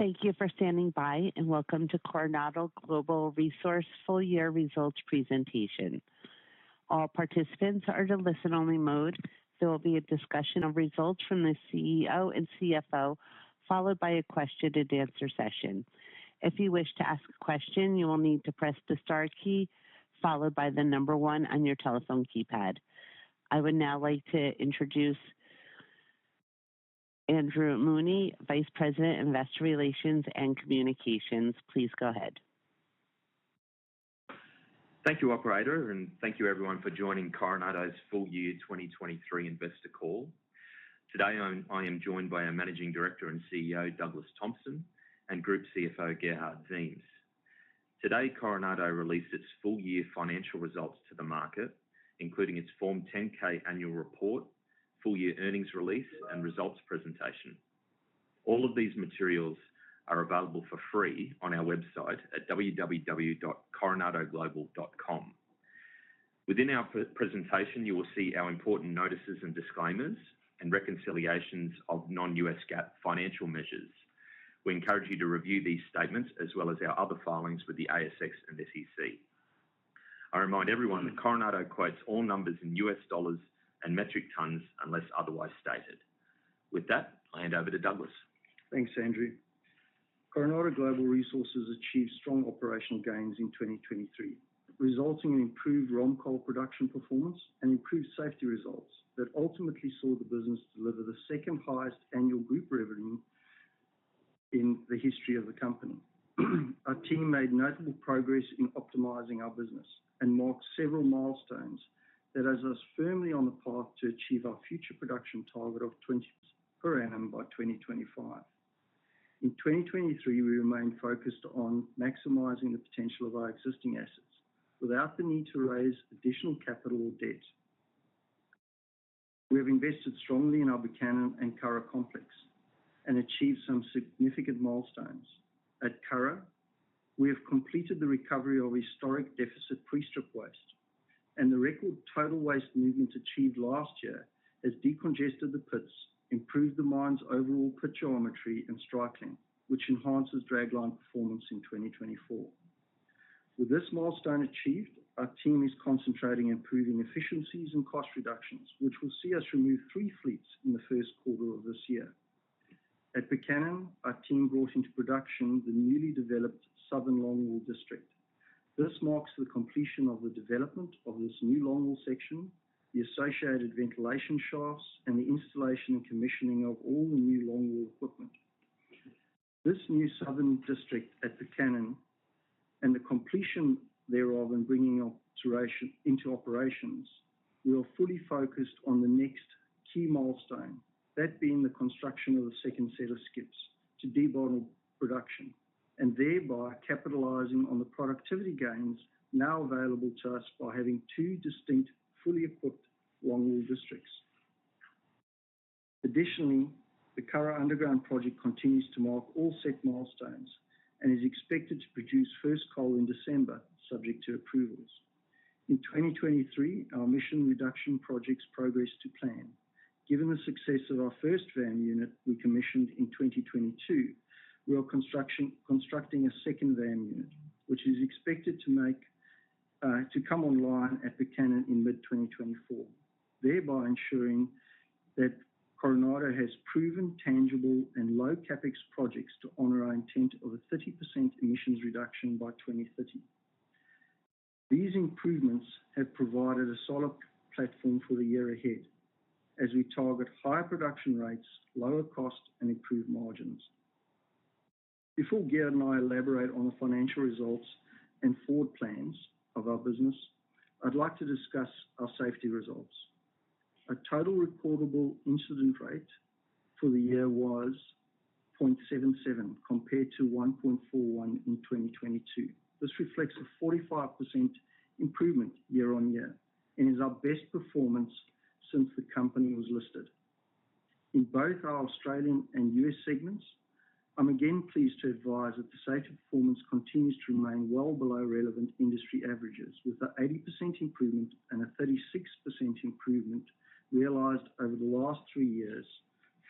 Thank you for standing by, and welcome to Coronado Global Resources Full Year Results Presentation. All participants are in listen-only mode. There will be a discussion of results from the CEO and CFO, followed by a question-and-answer session. If you wish to ask a question, you will need to press the star key, followed by the number one on your telephone keypad. I would now like to introduce Andrew Mooney, Vice President, Investor Relations and Communications. Please go ahead. Thank you, Operator, and thank you everyone for joining Coronado's Full Year 2023 Investor Call. Today, I am joined by our Managing Director and CEO, Douglas Thompson, and Group CFO, Gerhard Ziems. Today, Coronado released its full-year financial results to the market, including its Form 10-K Annual Report, full-year earnings release, and results presentation. All of these materials are available for free on our website at www.coronadoglobal.com. Within our presentation, you will see our important notices and disclaimers and reconciliations of non-US GAAP financial measures. We encourage you to review these statements, as well as our other filings with the ASX and SEC. I remind everyone that Coronado quotes all numbers in U.S. dollars and metric tons, unless otherwise stated. With that, I hand over to Douglas. Thanks, Andrew. Coronado Global Resources achieved strong operational gains in 2023, resulting in improved ROM coal production performance and improved safety results that ultimately saw the business deliver the second-highest annual group revenue in the history of the company. Our team made notable progress in optimizing our business and marked several milestones that has us firmly on the path to achieve our future production target of 20 per annum by 2025. In 2023, we remained focused on maximizing the potential of our existing assets without the need to raise additional capital or debt. We have invested strongly in our Buchanan and Curragh Complex and achieved some significant milestones. At Curragh, we have completed the recovery of historic deficit pre-strip waste, and the record total waste movement achieved last year has decongested the pits, improved the mine's overall pit geometry and striking, which enhances dragline performance in 2024. With this milestone achieved, our team is concentrating on improving efficiencies and cost reductions, which will see us remove three fleets in the first quarter of this year. At Buchanan, our team brought into production the newly developed Southern Longwall District. This marks the completion of the development of this new longwall section, the associated ventilation shafts, and the installation and commissioning of all the new longwall equipment. This new southern district at Buchanan and the completion thereof and bringing operation into operations, we are fully focused on the next key milestone, that being the construction of the second set of skips to debottleneck production, and thereby capitalizing on the productivity gains now available to us by having two distinct, fully equipped longwall districts. Additionally, the Curragh Underground Project continues to mark all set milestones and is expected to produce first coal in December, subject to approvals. In 2023, our emission reduction projects progressed to plan. Given the success of our first VAM unit we commissioned in 2022, we are constructing a second VAM unit, which is expected to come online at Buchanan in mid-2024, thereby ensuring that Coronado has proven tangible and low CapEx projects to honor our intent of a 30% emissions reduction by 2030. These improvements have provided a solid platform for the year ahead as we target higher production rates, lower costs, and improved margins. Before Gerhard and I elaborate on the financial results and forward plans of our business, I'd like to discuss our safety results. Our total reportable incident rate for the year was 0.77, compared to 1.41 in 2022. This reflects a 45% improvement year-over-year and is our best performance since the company was listed. In both our Australian and U.S. segments, I'm again pleased to advise that the safety performance continues to remain well below relevant industry averages, with an 80% improvement and a 36% improvement realized over the last three years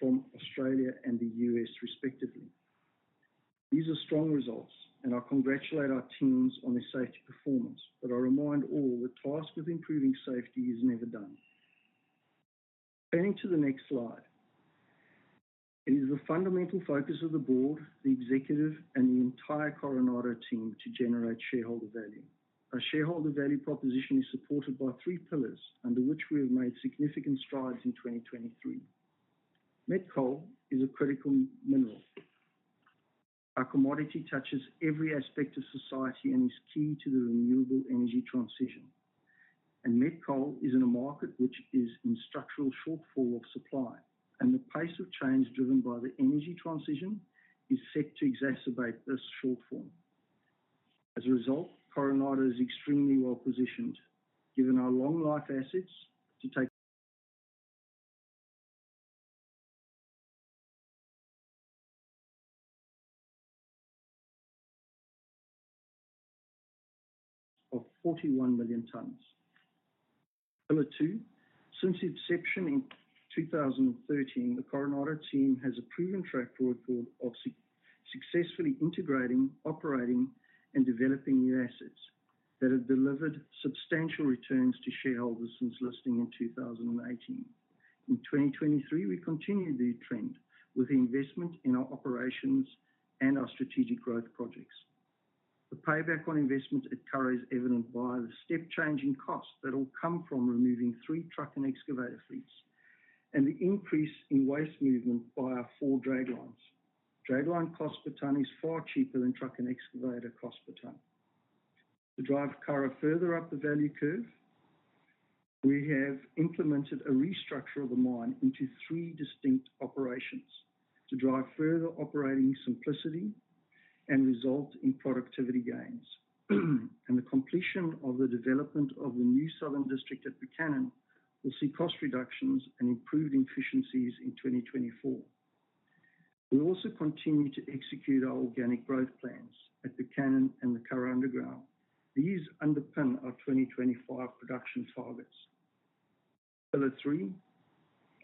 from Australia and the U.S., respectively. These are strong results, and I congratulate our teams on their safety performance, but I remind all the task of improving safety is never done. Turning to the next slide. It is the fundamental focus of the board, the executive, and the entire Coronado team to generate shareholder value. Our shareholder value proposition is supported by three pillars, under which we have made significant strides in 2023. Met coal is a critical mineral. Our commodity touches every aspect of society and is key to the renewable energy transition. And met coal is in a market which is in structural shortfall of supply, and the pace of change driven by the energy transition is set to exacerbate this shortfall. As a result, Coronado is extremely well-positioned, given our long-life assets, to take...... of 41 million tons. Number two, since its inception in 2013, the Coronado team has a proven track record of successfully integrating, operating, and developing new assets that have delivered substantial returns to shareholders since listing in 2018. In 2023, we continued the trend with investment in our operations and our strategic growth projects. The payback on investment at Curragh is evident by the step change in costs that will come from removing three truck and excavator fleets, and the increase in waste movement by our four draglines. Dragline cost per ton is far cheaper than truck and excavator cost per ton. To drive Curragh further up the value curve, we have implemented a restructure of the mine into three distinct operations to drive further operating simplicity and result in productivity gains. The completion of the development of the new southern district at Buchanan will see cost reductions and improved efficiencies in 2024. We also continue to execute our organic growth plans at Buchanan and the Curragh Underground. These underpin our 2025 production targets. Pillar three,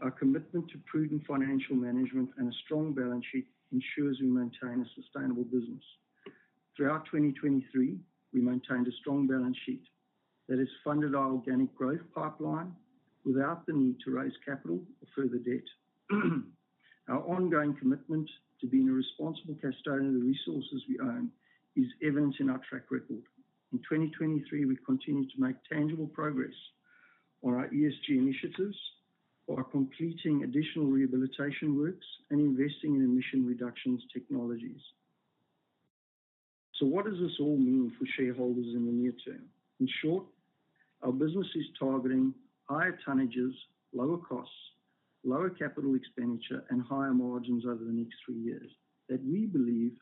our commitment to prudent financial management and a strong balance sheet ensures we maintain a sustainable business. Throughout 2023, we maintained a strong balance sheet that has funded our organic growth pipeline without the need to raise capital or further debt. Our ongoing commitment to being a responsible custodian of the resources we own is evident in our track record. In 2023, we continued to make tangible progress on our ESG initiatives, by completing additional rehabilitation works and investing in emission reductions technologies. So what does this all mean for shareholders in the near term? In short, our business is targeting higher tonnages, lower costs, lower capital expenditure, and higher margins over the next three years, that we believe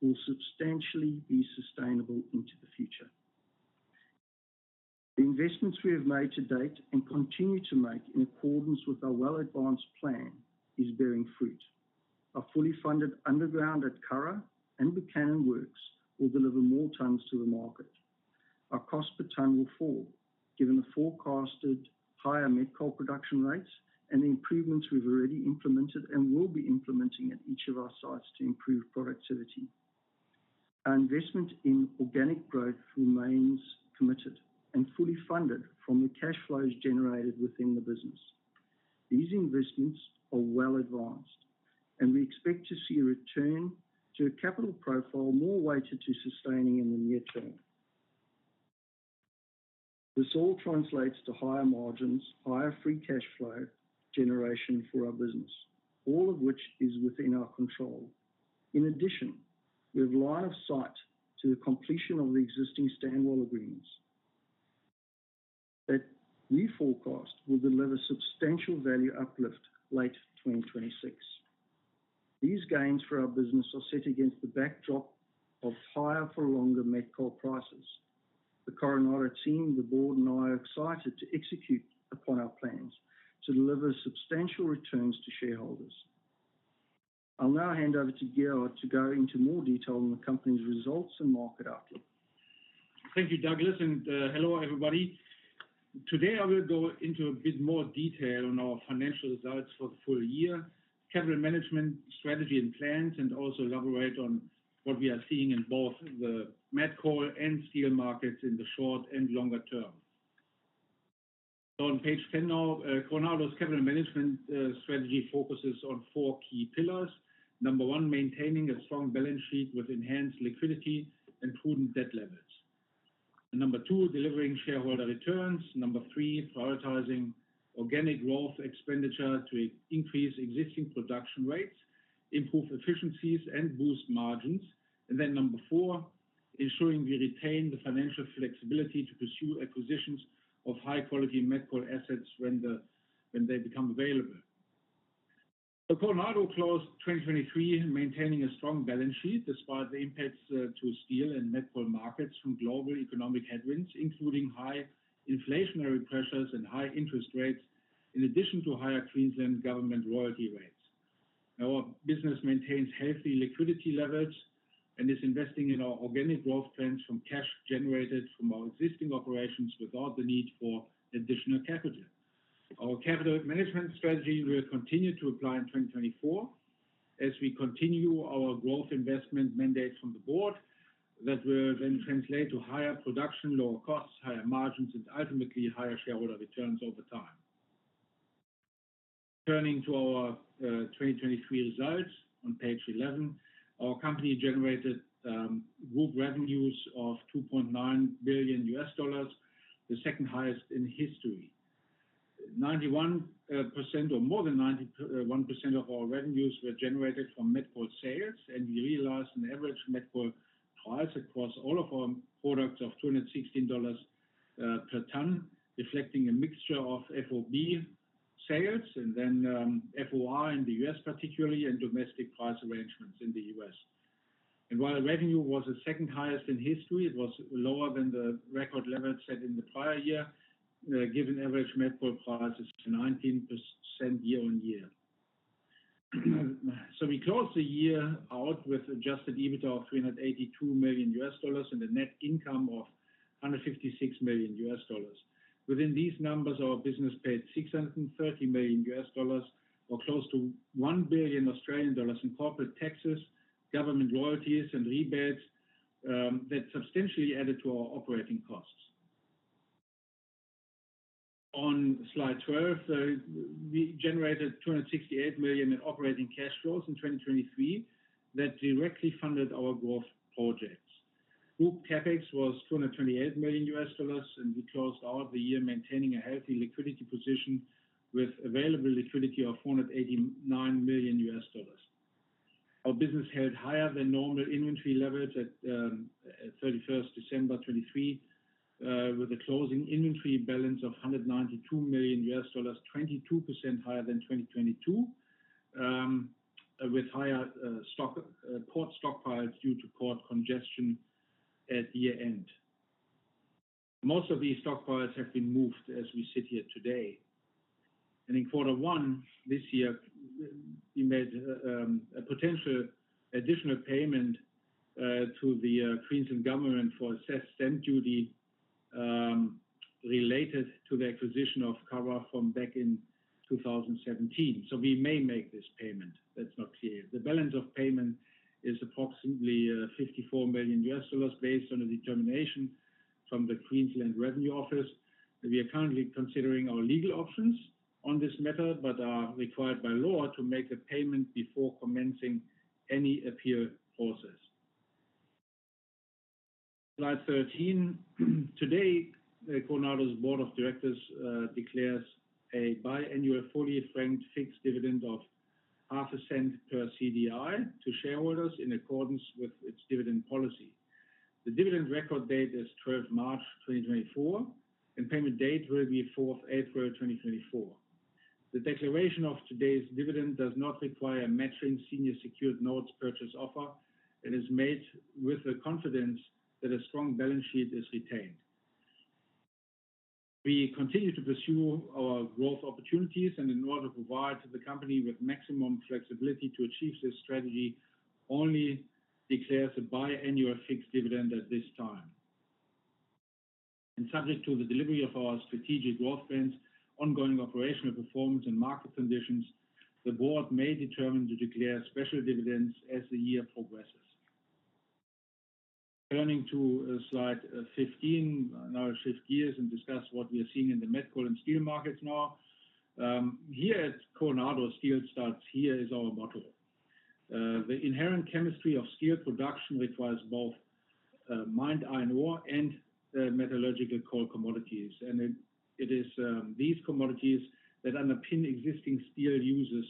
will substantially be sustainable into the future. The investments we have made to date, and continue to make in accordance with our well-advanced plan, is bearing fruit. Our fully funded underground at Curragh and Buchanan works will deliver more tons to the market. Our cost per ton will fall, given the forecasted higher met coal production rates and the improvements we've already implemented and will be implementing at each of our sites to improve productivity. Our investment in organic growth remains committed and fully funded from the cash flows generated within the business. These investments are well advanced, and we expect to see a return to a capital profile more weighted to sustaining in the near term. This all translates to higher margins, higher free cash flow generation for our business, all of which is within our control. In addition, we have line of sight to the completion of the existing Stanwell agreements, that we forecast will deliver substantial value uplift late 2026. These gains for our business are set against the backdrop of higher-for-longer met coal prices. The Coronado team, the board, and I are excited to execute upon our plans to deliver substantial returns to shareholders. I'll now hand over to Gerhard to go into more detail on the company's results and market outlook. Thank you, Douglas, and hello, everybody. Today, I will go into a bit more detail on our financial results for the full year, capital management strategy and plans, and also elaborate on what we are seeing in both the met coal and steel markets in the short and longer term. So on page 10 now, Coronado's capital management strategy focuses on four key pillars. Number one, maintaining a strong balance sheet with enhanced liquidity and prudent debt levels. And number two, delivering shareholder returns. Number three, prioritizing organic growth expenditure to increase existing production rates, improve efficiencies, and boost margins. And then number four, ensuring we retain the financial flexibility to pursue acquisitions of high-quality met coal assets when they become available. So Coronado closed 2023 maintaining a strong balance sheet, despite the impacts to steel and met coal markets from global economic headwinds, including high inflationary pressures and high interest rates, in addition to higher Queensland Government royalty rates. Our business maintains healthy liquidity levels and is investing in our organic growth plans from cash generated from our existing operations, without the need for additional capital. Our capital management strategy will continue to apply in 2024 as we continue our growth investment mandates from the board, that will then translate to higher production, lower costs, higher margins, and ultimately higher shareholder returns over time. Turning to our 2023 results on page 11. Our company generated group revenues of $2.9 billion, the second highest in history. 91% or more than 91% of our revenues were generated from met coal sales, and we realized an average met coal price across all of our products of $216 per ton, reflecting a mixture of FOB sales and then FOB in the U.S. particularly, and domestic price arrangements in the U.S. While revenue was the second highest in history, it was lower than the record levels set in the prior year given average met coal prices 19% year-on-year. We closed the year out with adjusted EBITDA of $382 million, and a net income of $156 million. Within these numbers, our business paid $630 million or close to 1 billion Australian dollars in corporate taxes, government royalties, and rebates, that substantially added to our operating costs. On Slide 12, we generated $268 million in operating cash flows in 2023, that directly funded our growth projects. Group CapEx was $228 million, and we closed out the year maintaining a healthy liquidity position, with available liquidity of $489 million. Our business held higher than normal inventory levels at December 31st 2023, with a closing inventory balance of $192 million, 22% higher than 2022. With higher stock port stockpiles due to port congestion at year-end. Most of these stockpiles have been moved as we sit here today. In quarter one this year, we made a potential additional payment to the Queensland Government for assessed stamp duty related to the acquisition of Curragh from back in 2017. So we may make this payment, that's not clear. The balance of payment is approximately $54 million, based on a determination from the Queensland Revenue Office. We are currently considering our legal options on this matter, but are required by law to make a payment before commencing any appeal process. Slide 13. Today, Coronado's Board of Directors declares a biannual 40% franked fixed dividend of 0.5 cent per CDI to shareholders in accordance with its dividend policy. The dividend record date is 12th March 2024, and payment date will be April 4th 2024. The declaration of today's dividend does not require a matching senior secured notes purchase offer. It is made with the confidence that a strong balance sheet is retained. We continue to pursue our growth opportunities, and in order to provide the company with maximum flexibility to achieve this strategy, only declares a biannual fixed dividend at this time. Subject to the delivery of our strategic growth plans, ongoing operational performance, and market conditions, the board may determine to declare special dividends as the year progresses. Turning to slide 15. Now let's shift gears and discuss what we are seeing in the met coal and steel markets now. Here at Coronado, Steel Starts Here is our motto. The inherent chemistry of steel production requires both mined iron ore and metallurgical coal commodities. And it is these commodities that underpin existing steel uses,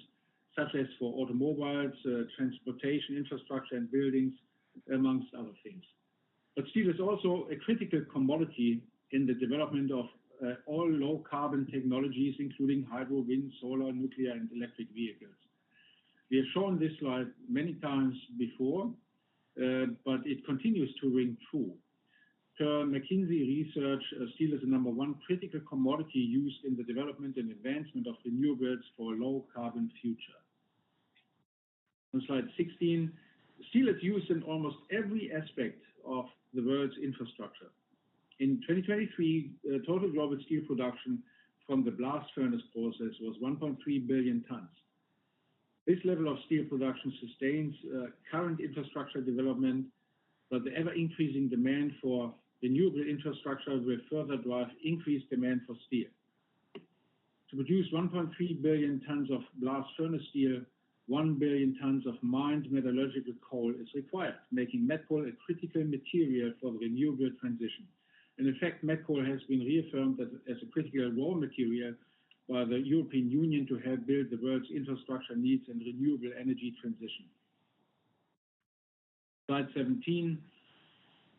such as for automobiles, transportation, infrastructure, and buildings, among other things. But steel is also a critical commodity in the development of all low carbon technologies, including hydro, wind, solar, nuclear, and electric vehicles. We have shown this slide many times before, but it continues to ring true. Per McKinsey Research, steel is the number one critical commodity used in the development and advancement of renewables for a low carbon future. On slide 16, steel is used in almost every aspect of the world's infrastructure. In 2023, total global steel production from the blast furnace process was 1.3 billion tons. This level of steel production sustains current infrastructure development, but the ever-increasing demand for renewable infrastructure will further drive increased demand for steel. To produce 1.3 billion tons of blast furnace steel, one billion tons of mined metallurgical coal is required, making met coal a critical material for the renewable transition. And in fact, met coal has been reaffirmed as, as a critical raw material by the European Union to help build the world's infrastructure needs and renewable energy transition. Slide 17.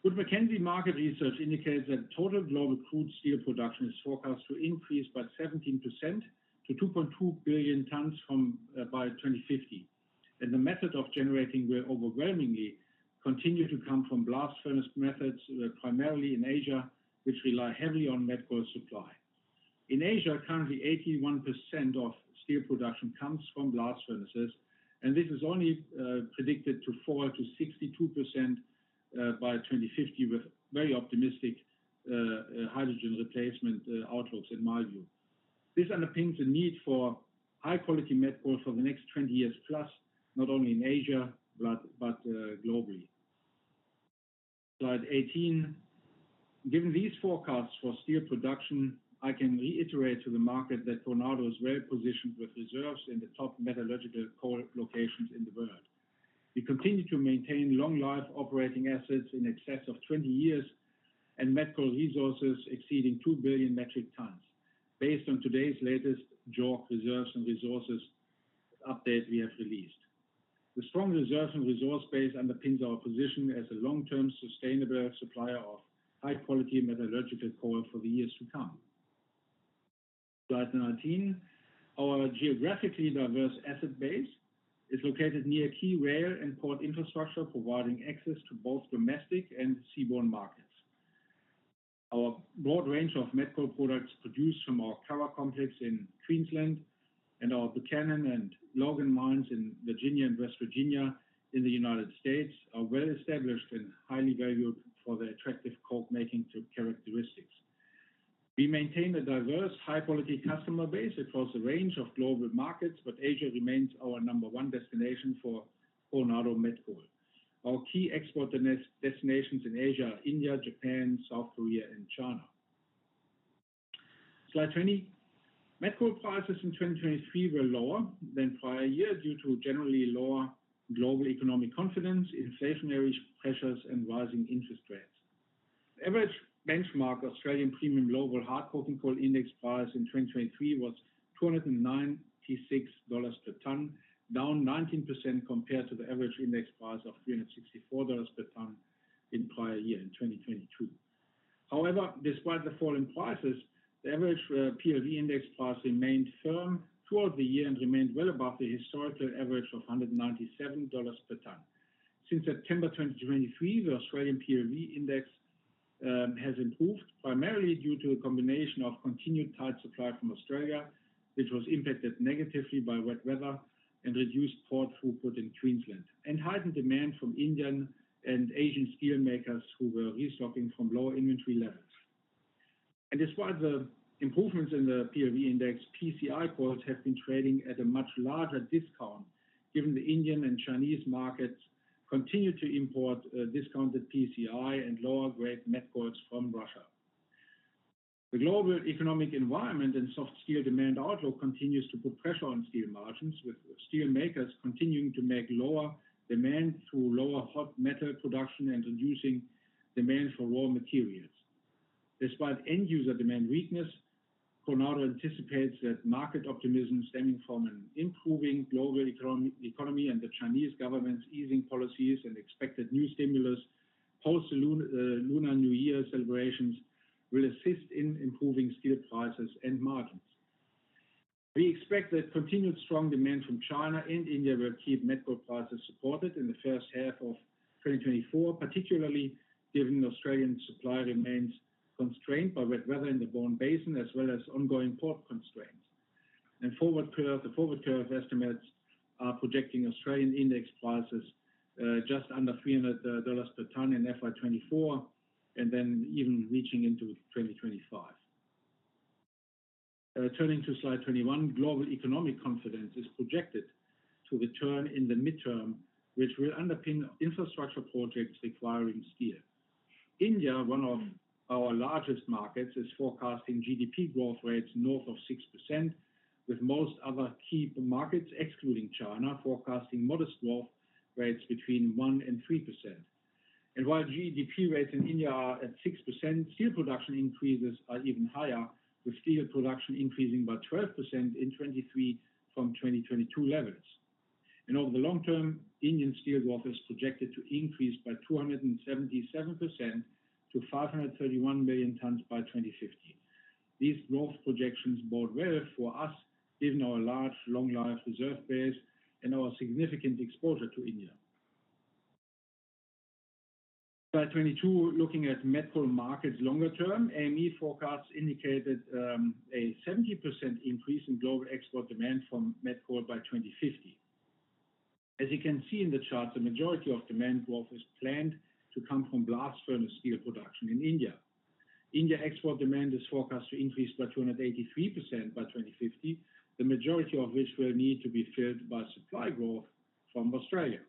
Good McKinsey market research indicates that total global crude steel production is forecast to increase by 17% to 2.2 billion tons from by 2050. And the method of generating will overwhelmingly continue to come from blast furnace methods, primarily in Asia, which rely heavily on met coal supply. In Asia, currently, 81% of steel production comes from blast furnaces, and this is only predicted to fall to 62% by 2050, with very optimistic hydrogen replacement outlooks, in my view. This underpins the need for high-quality met coal for the next 20 years plus, not only in Asia, but globally. Slide 18. Given these forecasts for steel production, I can reiterate to the market that Coronado is well positioned with reserves in the top metallurgical coal locations in the world. We continue to maintain long life operating assets in excess of 20 years, and met coal resources exceeding two billion metric tons, based on today's latest JORC reserves and resources update we have released. The strong reserve and resource base underpins our position as a long-term, sustainable supplier of high-quality metallurgical coal for the years to come. Slide 19. Our geographically diverse asset base is located near key rail and port infrastructure, providing access to both domestic and seaborne markets. Our broad range of met coal products produced from our Curragh Complex in Queensland and our Buchanan and Logan mines in Virginia and West Virginia in the United States are well established and highly valued for their attractive coke making characteristics. We maintain a diverse, high quality customer base across a range of global markets, but Asia remains our number one destination for Coronado Met Coal. Our key export destinations in Asia are India, Japan, South Korea and China. Slide 20. Met coal prices in 2023 were lower than prior year, due to generally lower global economic confidence, inflationary pressures, and rising interest rates. The average benchmark Australian premium global hard coking coal index price in 2023 was $296 per ton, down 19% compared to the average index price of $364 per ton in prior year, in 2022. However, despite the fall in prices, the average PLV index price remained firm throughout the year and remained well above the historical average of $197 per ton. Since September 2023, the Australian PLV index has improved, primarily due to a combination of continued tight supply from Australia, which was impacted negatively by wet weather and reduced port throughput in Queensland, and heightened demand from Indian and Asian steelmakers, who were restocking from lower inventory levels. Despite the improvements in the PLV index, PCI coals have been trading at a much larger discount, given the Indian and Chinese markets continue to import discounted PCI and lower grade met coals from Russia. The global economic environment and soft steel demand outlook continues to put pressure on steel margins, with steelmakers continuing to make lower demand through lower hot metal production and reducing demand for raw materials. Despite end user demand weakness, Coronado anticipates that market optimism stemming from an improving global economy, and the Chinese government's easing policies and expected new stimulus post Lunar New Year celebrations, will assist in improving steel prices and margins. We expect that continued strong demand from China and India will keep met coal prices supported in the first half of 2024, particularly given Australian supply remains constrained by wet weather in the Bowen Basin, as well as ongoing port constraints. And forward curve, the forward curve estimates are projecting Australian index prices just under $300 per ton in FY 2024, and then even reaching into 2025. Turning to slide 21. Global economic confidence is projected to return in the midterm, which will underpin infrastructure projects requiring steel. India, one of our largest markets, is forecasting GDP growth rates north of 6%, with most other key markets, excluding China, forecasting modest growth rates between 1% and 3%. While GDP rates in India are at 6%, steel production increases are even higher, with steel production increasing by 12% in 2023 from 2022 levels. Over the long term, Indian steel growth is projected to increase by 277% to 531 million tons by 2050. These growth projections bode well for us, given our large long life reserve base and our significant exposure to India. Slide 22, looking at met coal markets longer term. AME forecasts indicate that a 70% increase in global export demand from met coal by 2050. As you can see in the chart, the majority of demand growth is planned to come from blast furnace steel production in India. India export demand is forecast to increase by 283% by 2050, the majority of which will need to be filled by supply growth from Australia.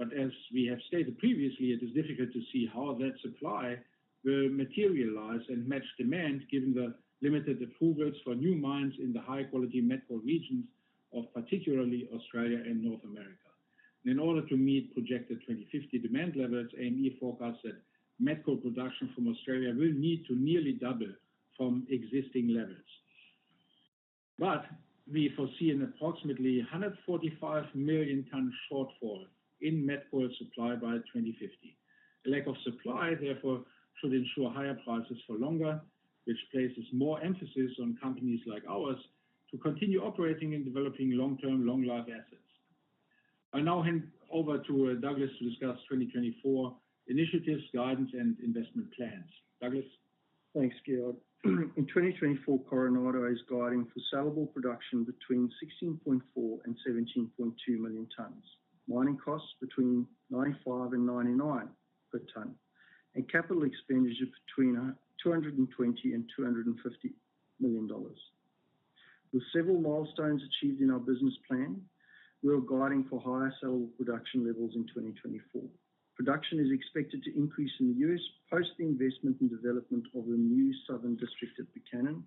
But as we have stated previously, it is difficult to see how that supply will materialize and match demand, given the limited approvals for new mines in the high quality met coal regions of particularly Australia and North America. In order to meet projected 2050 demand levels, AME forecasts that met coal production from Australia will need to nearly double from existing levels. But we foresee an approximately 145 million ton shortfall in met coal supply by 2050. A lack of supply, therefore, should ensure higher prices for longer, which places more emphasis on companies like ours to continue operating and developing long-term, long-life assets. I now hand over to Douglas to discuss 2024 initiatives, guidance, and investment plans. Douglas? Thanks, Gerhard. In 2024, Coronado is guiding for sellable production between 16.4-17.2 million tons. Mining costs between 95-99 per ton, and capital expenditure between $220-$250 million. With several milestones achieved in our business plan, we are guiding for higher sale production levels in 2024. Production is expected to increase in the U.S. post the investment and development of the new southern district at Buchanan,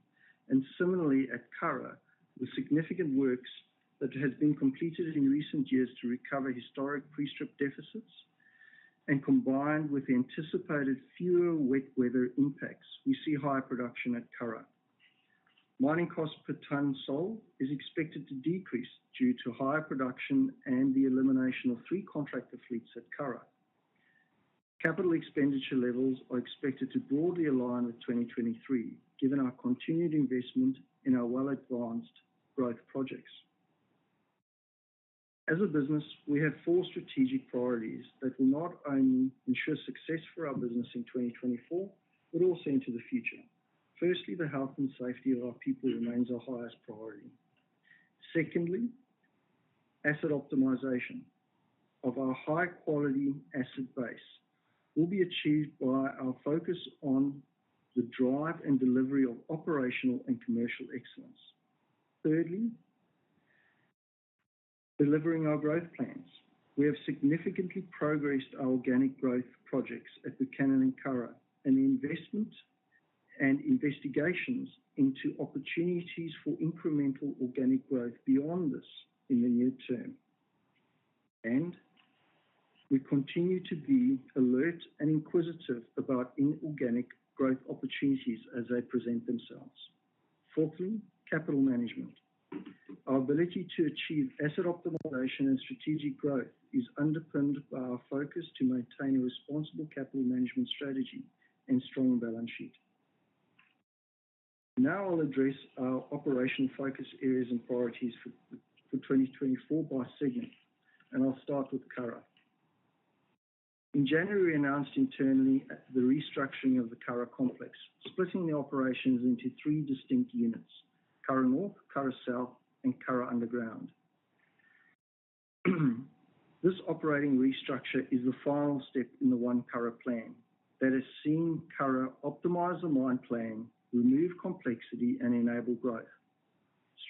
and similarly at Curragh, with significant works that has been completed in recent years to recover historic pre-strip deficits. And combined with anticipated fewer wet weather impacts, we see higher production at Curragh. Mining cost per ton sold is expected to decrease due to higher production and the elimination of three contractor fleets at Curragh. Capital expenditure levels are expected to broadly align with 2023, given our continued investment in our well-advanced growth projects. As a business, we have four strategic priorities that will not only ensure success for our business in 2024, but also into the future. Firstly, the health and safety of our people remains our highest priority. Secondly, asset optimization of our high-quality asset base will be achieved by our focus on the drive and delivery of operational and commercial excellence. Thirdly, delivering our growth plans. We have significantly progressed our organic growth projects at Buchanan and Curragh, and investment and investigations into opportunities for incremental organic growth beyond this in the near term. We continue to be alert and inquisitive about inorganic growth opportunities as they present themselves. Fourthly, capital management. Our ability to achieve asset optimization and strategic growth is underpinned by our focus to maintain a responsible capital management strategy and strong balance sheet. Now I'll address our operational focus areas and priorities for 2024 by segment, and I'll start with Curragh. In January, we announced internally the restructuring of the Curragh Complex, splitting the operations into three distinct units: Curragh North, Curragh South, and Curragh Underground. This operating restructure is the final step in the One Curragh plan that has seen Curragh optimize the mine plan, remove complexity, and enable growth.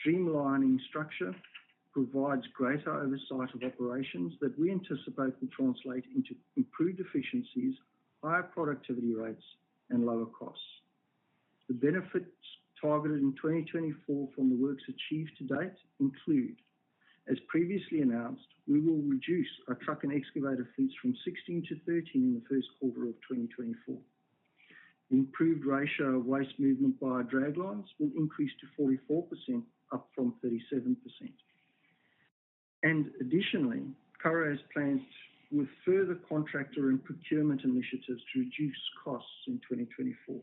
Streamlining structure provides greater oversight of operations that we anticipate will translate into improved efficiencies, higher productivity rates, and lower costs. The benefits targeted in 2024 from the works achieved to date include: As previously announced, we will reduce our truck and excavator fleets from 16 to 13 in the first quarter of 2024. The improved ratio of waste movement by our draglines will increase to 44%, up from 37%. Additionally, Curragh has plans with further contractor and procurement initiatives to reduce costs in 2024.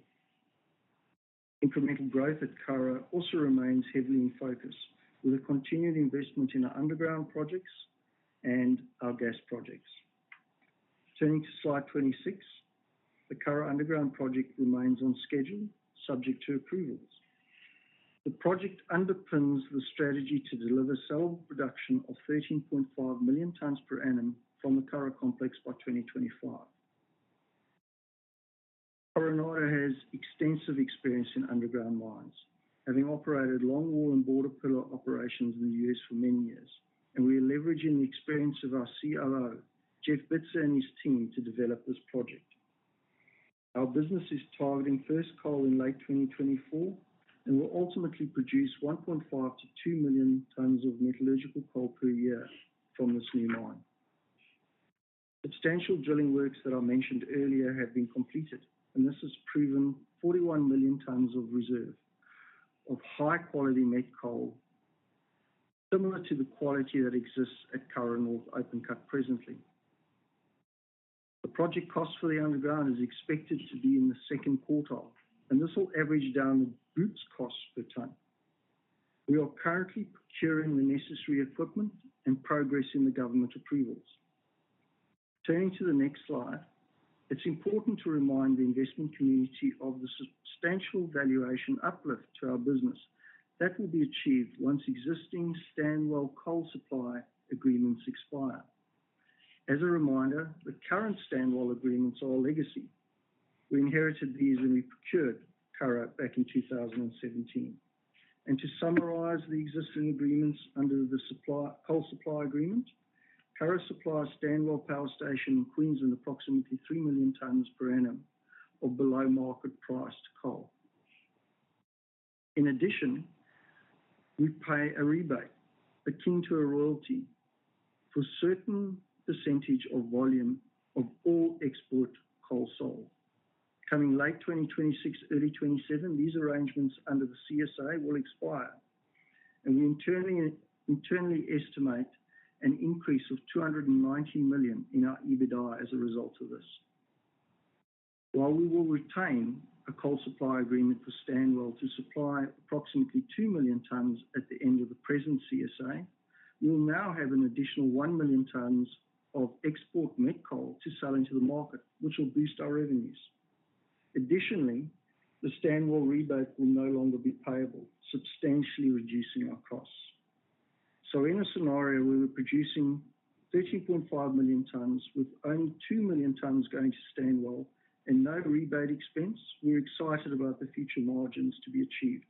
Incremental growth at Curragh also remains heavily in focus, with a continued investment in our underground projects and our gas projects. Turning to slide 26, the Curragh Underground Project remains on schedule, subject to approvals. The project underpins the strategy to deliver saleable production of 13.5 million tonnes per annum from the Curragh complex by 2025. Coronado has extensive experience in underground mines, having operated longwall and border pillar operations in the U.S. for many years, and we are leveraging the experience of our CRO, Jeff Bitzer, and his team, to develop this project. Our business is targeting first coal in late 2024, and will ultimately produce 1.5-2 million tons of metallurgical coal per year from this new mine. Substantial drilling works that I mentioned earlier have been completed, and this has proven 41 million tons of reserve of high-quality met coal, similar to the quality that exists at Curragh North Open Cut presently. The project cost for the underground is expected to be in the second quartile, and this will average down the group's costs per ton. We are currently procuring the necessary equipment and progressing the government approvals. Turning to the next slide, it's important to remind the investment community of the substantial valuation uplift to our business that will be achieved once existing Stanwell coal supply agreements expire. As a reminder, the current Stanwell agreements are a legacy. We inherited these when we procured Curragh back in 2017. To summarize the existing agreements under the supply, coal supply agreement, Curragh supplies Stanwell Power Station in Queensland, approximately three million tons per annum of below-market-priced coal. In addition, we pay a rebate, akin to a royalty, for a certain percentage of volume of all export coal sold. Coming late 2026, early 2027, these arrangements under the CSA will expire, and we internally estimate an increase of $290 million in our EBITDA as a result of this. While we will retain a coal supply agreement for Stanwell to supply approximately two million tons at the end of the present CSA, we will now have an additional one million tons of export met coal to sell into the market, which will boost our revenues. Additionally, the Stanwell rebate will no longer be payable, substantially reducing our costs. So in a scenario, we were producing 13.5 million tons, with only two million tons going to Stanwell and no rebate expense, we're excited about the future margins to be achieved,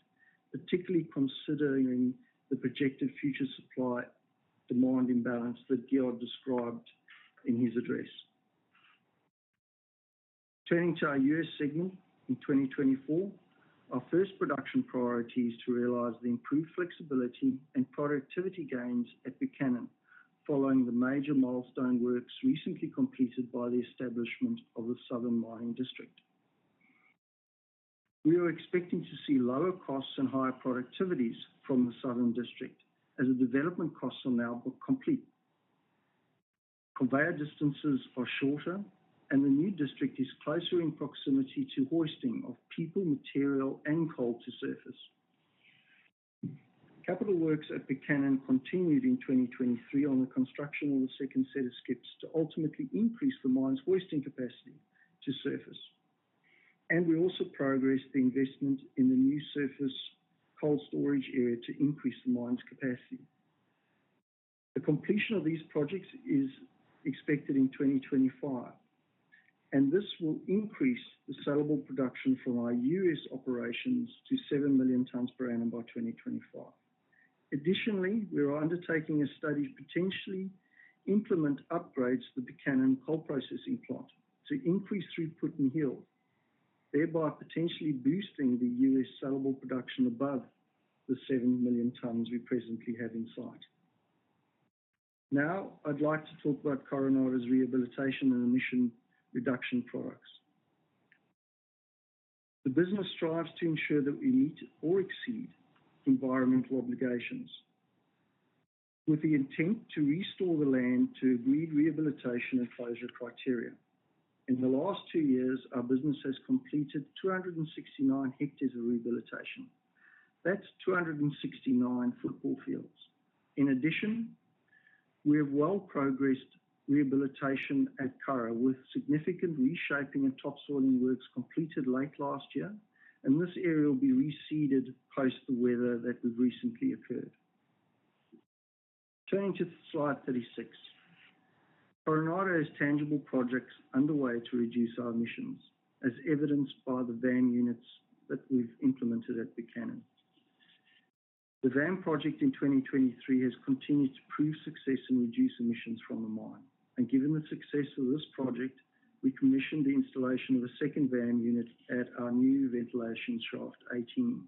particularly considering the projected future supply-demand imbalance that Jeff described in his address. Turning to our U.S. segment in 2024, our first production priority is to realize the improved flexibility and productivity gains at Buchanan, following the major milestone works recently completed by the establishment of the Southern Mining District. We are expecting to see lower costs and higher productivities from the Southern District as the development costs are now complete. Conveyor distances are shorter, and the new district is closer in proximity to hoisting of people, material, and coal to surface. Capital works at Buchanan continued in 2023 on the construction of the second set of skips to ultimately increase the mine's hoisting capacity to surface. And we also progressed the investment in the new surface coal storage area to increase the mine's capacity. The completion of these projects is expected in 2025, and this will increase the sellable production from our U.S. operations to seven million tons per annum by 2025. Additionally, we are undertaking a study to potentially implement upgrades to the Buchanan coal processing plant to increase throughput in mill, thereby potentially boosting the U.S. sellable production above the seven million tons we presently have in sight. Now, I'd like to talk about Coronado's rehabilitation and emission reduction products. The business strives to ensure that we meet or exceed environmental obligations, with the intent to restore the land to agreed rehabilitation and closure criteria. In the last two years, our business has completed 269 hectares of rehabilitation. That's 269 football fields. In addition, we have well-progressed rehabilitation at Curragh, with significant reshaping and topsoiling works completed late last year, and this area will be reseeded post the weather that has recently occurred. Turning to slide 36. Coronado has tangible projects underway to reduce our emissions, as evidenced by the VAM units that we've implemented at Buchanan. The VAM project in 2023 has continued to prove success in reducing emissions from the mine, and given the success of this project, we commissioned the installation of a second VAM unit at our new ventilation shaft 18.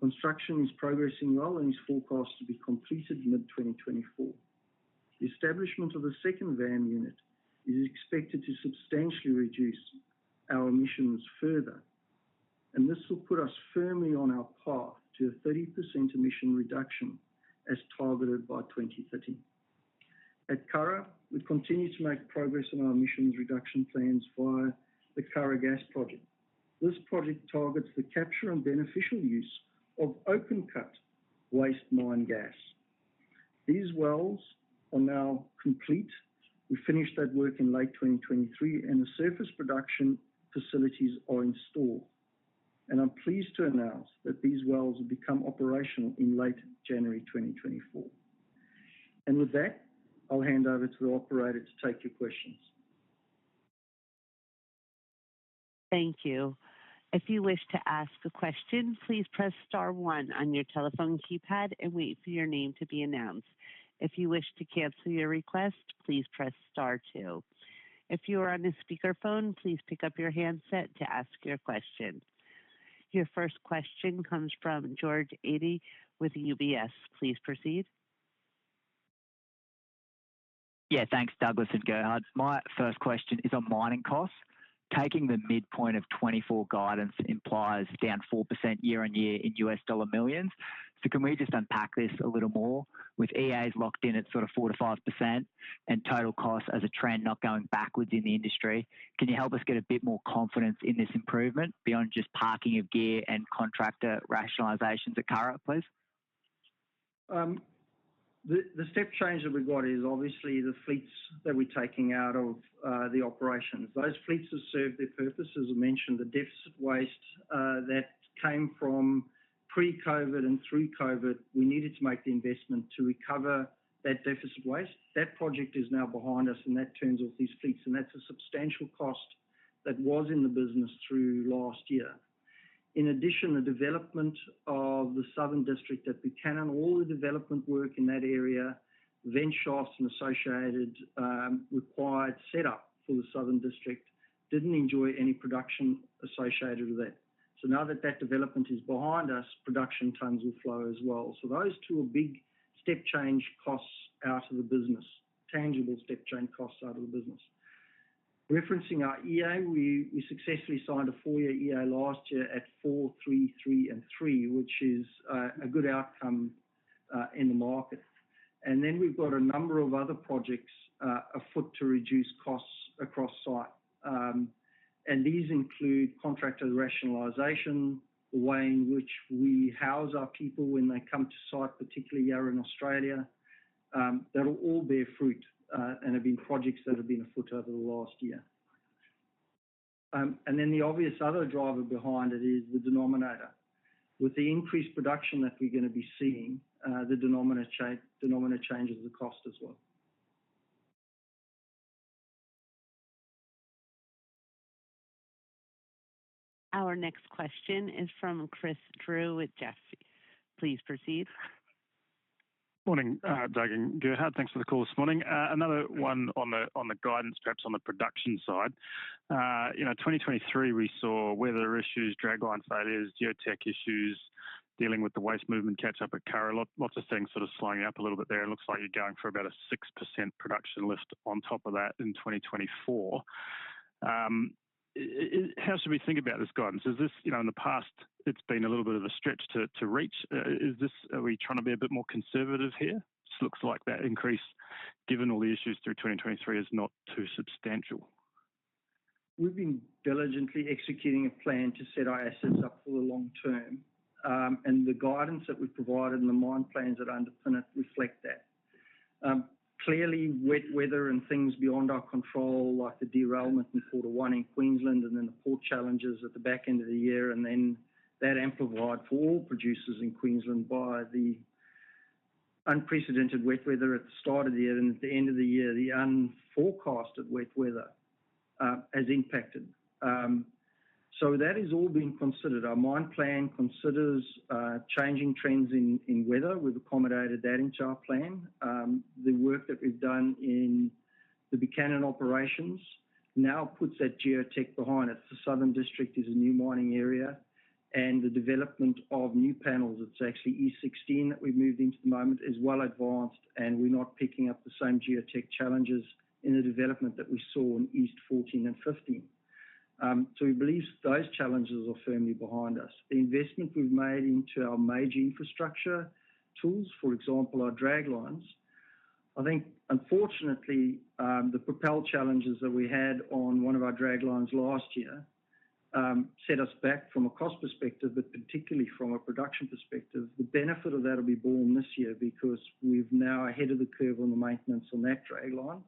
Construction is progressing well and is forecast to be completed mid-2024. The establishment of the second VAM unit is expected to substantially reduce our emissions further, and this will put us firmly on our path to a 30% emission reduction, as targeted by 2030. At Curragh, we continue to make progress on our emissions reduction plans via the Curragh Gas Project. This project targets the capture and beneficial use of open-cut waste mine gas. These wells are now complete. We finished that work in late 2023, and the surface production facilities are in store. I'm pleased to announce that these wells will become operational in late January 2024. With that, I'll hand over to the operator to take your questions. Thank you. If you wish to ask a question, please press star one on your telephone keypad and wait for your name to be announced. If you wish to cancel your request, please press star two. If you are on a speakerphone, please pick up your handset to ask your question. Your first question comes from George Eadie with UBS. Please proceed. Yeah, thanks, Douglas and Gerhard. My first question is on mining costs. Taking the midpoint of 2024 guidance implies down 4% year-on-year in $ millions. So can we just unpack this a little more? With EAs locked in at sort of 4%-5% and total costs as a trend, not going backwards in the industry, can you help us get a bit more confidence in this improvement beyond just parking of gear and contractor rationalizations at Curragh, please? The step change that we've got is obviously the fleets that we're taking out of the operations. Those fleets have served their purpose. As I mentioned, the deficit waste that came from pre-COVID and through COVID, we needed to make the investment to recover that deficit waste. That project is now behind us, and that turns off these fleets, and that's a substantial cost that was in the business through last year. In addition, the development of the southern district at Buchanan, all the development work in that area, vent shafts and associated required setup for the southern district, didn't enjoy any production associated with that. So now that that development is behind us, production tons will flow as well. So those two are big step change costs out of the business, tangible step change costs out of the business. Referencing our EA, we successfully signed a four-year EA last year at 4%, 3%, 3%, and 3%, which is a good outcome in the market. Then we've got a number of other projects afoot to reduce costs across site. And these include contractor rationalization, the way in which we house our people when they come to site, particularly here in Australia. That'll all bear fruit, and have been projects that have been afoot over the last year. And then the obvious other driver behind it is the denominator. With the increased production that we're gonna be seeing, the denominator changes the cost as well. Our next question is from Chris Drew with Jefferies. Please proceed. Morning, Doug and Gerhard. Thanks for the call this morning. Another one on the guidance, perhaps on the production side. You know, 2023, we saw weather issues, dragline failures, geotech issues, dealing with the waste movement catch up at Curragh. Lots of things sort of slowing it up a little bit there. It looks like you're going for about a 6% production lift on top of that in 2024. How should we think about this guidance? Is this, you know, in the past, it's been a little bit of a stretch to reach. Is this, are we trying to be a bit more conservative here? This looks like that increase, given all the issues through 2023, is not too substantial. We've been diligently executing a plan to set our assets up for the long term. The guidance that we've provided and the mine plans that underpin it reflect that. Clearly, wet weather and things beyond our control, like the derailment in quarter one in Queensland, and then the port challenges at the back end of the year, and then that amplified for all producers in Queensland by the unprecedented wet weather at the start of the year, and at the end of the year, the unforecasted wet weather, has impacted. So that is all being considered. Our mine plan considers changing trends in weather. We've accommodated that into our plan. The work that we've done in the Buchanan operations now puts that geotech behind us. The Southern district is a new mining area, and the development of new panels, it's actually East 16 that we've moved into the moment, is well advanced, and we're not picking up the same geotech challenges in the development that we saw in East 14 and 15. So we believe those challenges are firmly behind us. The investment we've made into our major infrastructure tools, for example, our draglines. I think unfortunately, the propel challenges that we had on one of our draglines last year, set us back from a cost perspective, but particularly from a production perspective. The benefit of that will be born this year because we've now ahead of the curve on the maintenance on that dragline.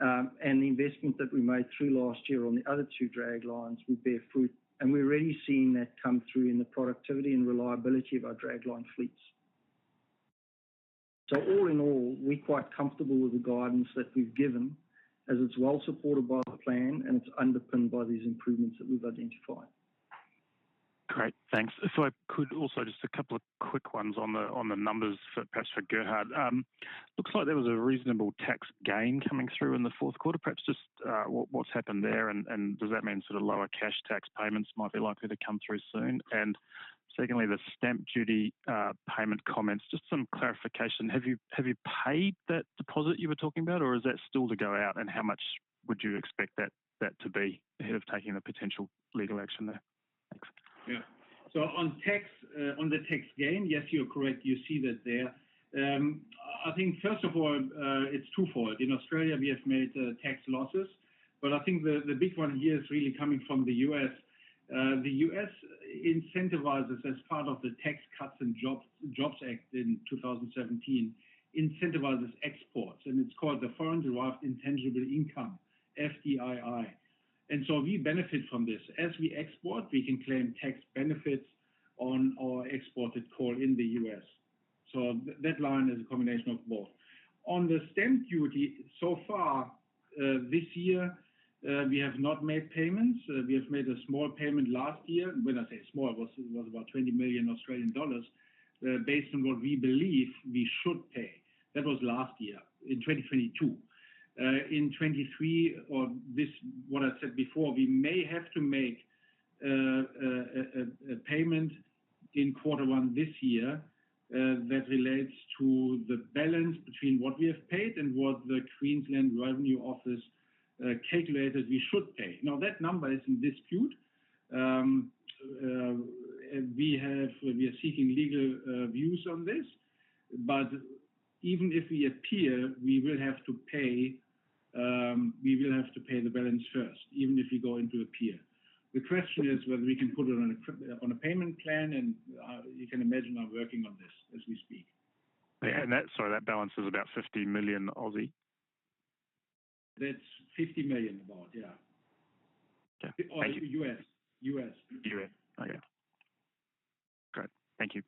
And the investment that we made through last year on the other two draglines will bear fruit, and we're already seeing that come through in the productivity and reliability of our dragline fleets. So all in all, we're quite comfortable with the guidance that we've given, as it's well supported by the plan and it's underpinned by these improvements that we've identified. Great, thanks. So if I could also, just a couple of quick ones on the numbers for perhaps for Gerhard. Looks like there was a reasonable tax gain coming through in the fourth quarter. Perhaps just, what, what's happened there, and, and does that mean sort of lower cash tax payments might be likely to come through soon? And secondly, the stamp duty payment comments. Just some clarification, have you, have you paid that deposit you were talking about, or is that still to go out, and how much would you expect that, that to be ahead of taking the potential legal action there? Thanks. Yeah. So on tax, on the tax gain, yes, you're correct, you see that there. I think first of all, it's twofold. In Australia, we have made tax losses, but I think the big one here is really coming from the US. The U.S. incentivizes as part of the Tax Cuts and Jobs Act in 2017, incentivizes exports, and it's called the Foreign Derived Intangible Income, FDII, and so we benefit from this. As we export, we can claim tax benefits on our exported coal in the US. So that line is a combination of both. On the stamp duty, so far, this year, we have not made payments. We have made a small payment last year. When I say small, it was about 20 million Australian dollars based on what we believe we should pay. That was last year, in 2022. In 2023 or this, what I said before, we may have to make a payment in quarter one this year that relates to the balance between what we have paid and what the Queensland Revenue Office calculated we should pay. Now, that number is in dispute. We are seeking legal views on this, but even if we appeal, we will have to pay the balance first, even if we go into appeal. The question is whether we can put it on a payment plan, and you can imagine I'm working on this as we speak. Yeah, sorry, that balance is about 50 million? That's $50 million about, yeah. Okay, thank you. Or U.S. U.S. U.S. Okay, great. Thank you.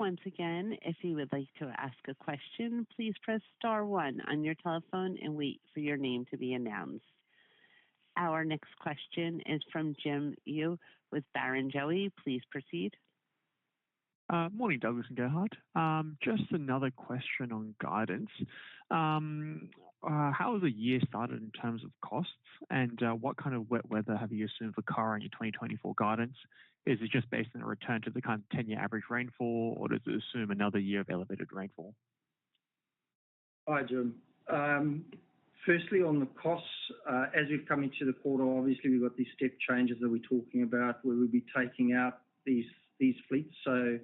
Once again, if you would like to ask a question, please press star one on your telephone and wait for your name to be announced. Our next question is from Jim Xu with Barrenjoey. Please proceed. Morning, Douglas and Gerhard. Just another question on guidance. How has the year started in terms of costs, and what kind of wet weather have you assumed for Curragh, your 2024 guidance? Is it just based on a return to the kind of 10-year average rainfall, or does it assume another year of elevated rainfall? Hi, Jim. Firstly, on the costs, as we've come into the quarter, obviously we've got these step changes that we're talking about, where we'll be taking out these fleets. So,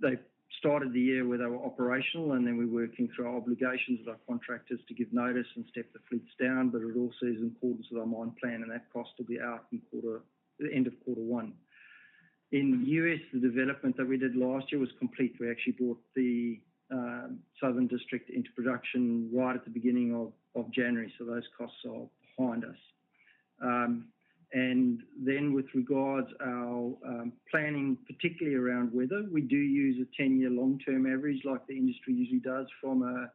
they've started the year where they were operational, and then we're working through our obligations with our contractors to give notice and step the fleets down. But it also is important to our mine plan, and that cost will be out in quarter one, the end of quarter one. In the U.S., the development that we did last year was complete. We actually brought the southern district into production right at the beginning of January, so those costs are behind us. And then with regards our planning, particularly around weather, we do use a 10-year long-term average like the industry usually does from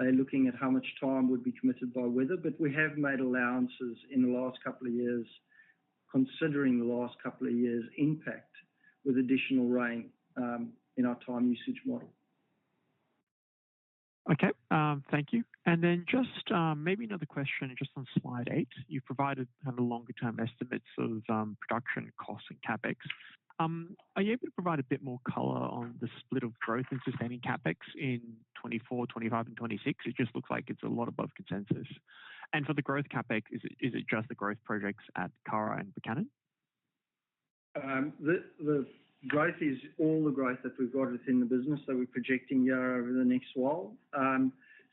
looking at how much time would be committed by weather. But we have made allowances in the last couple of years, considering the last couple of years' impact with additional rain in our time usage model.... Okay, thank you. Then just maybe another question, just on slide eight, you've provided kind of the longer-term estimates of production costs and CapEx. Are you able to provide a bit more color on the split of growth in sustaining CapEx in 2024, 2025 and 2026? It just looks like it's a lot above consensus. And for the growth CapEx, is it, is it just the growth projects at Curragh and Buchanan? The growth is all the growth that we've got within the business that we're projecting over the next while.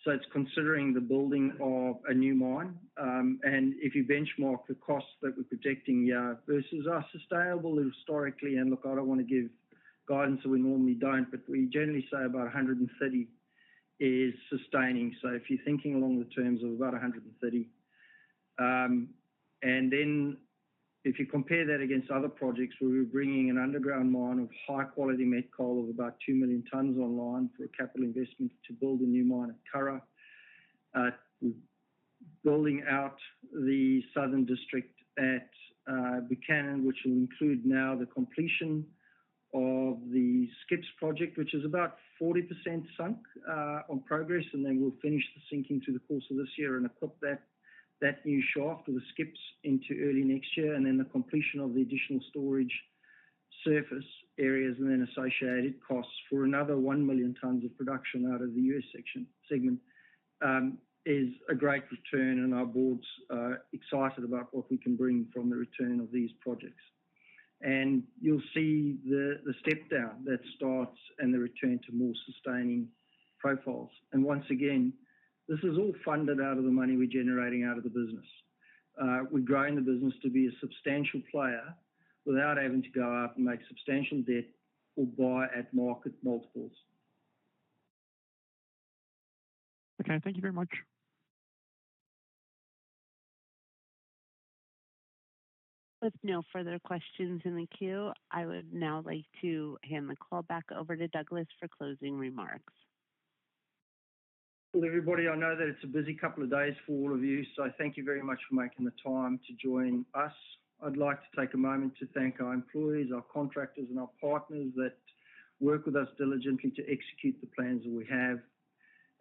So it's considering the building of a new mine. And if you benchmark the costs that we're projecting versus our sustainable historically, and look, I don't want to give guidance, so we normally don't, but we generally say about $130 is sustaining. So if you're thinking along the terms of about $130. And then if you compare that against other projects, where we're bringing an underground mine of high quality met coal of about two million tons online for a capital investment to build a new mine at Curragh. Building out the southern district at Buchanan, which will include now the completion of the Skips project, which is about 40% sunk on progress, and then we'll finish the sinking through the course of this year and equip that new shaft or the Skips into early next year. Then the completion of the additional storage surface areas and then associated costs for another one million tons of production out of the U.S. segment is a great return, and our board's excited about what we can bring from the return of these projects. You'll see the step down that starts and the return to more sustaining profiles. Once again, this is all funded out of the money we're generating out of the business. We're growing the business to be a substantial player without having to go out and make substantial debt or buy at market multiples. Okay, thank you very much. With no further questions in the queue, I would now like to hand the call back over to Douglas for closing remarks. Well, everybody, I know that it's a busy couple of days for all of you, so thank you very much for making the time to join us. I'd like to take a moment to thank our employees, our contractors, and our partners that work with us diligently to execute the plans that we have.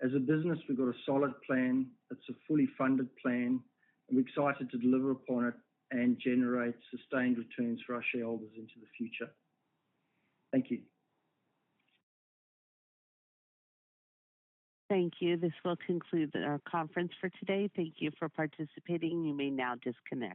As a business, we've got a solid plan, it's a fully funded plan, and we're excited to deliver upon it and generate sustained returns for our shareholders into the future. Thank you. Thank you. This will conclude our conference for today. Thank you for participating. You may now disconnect.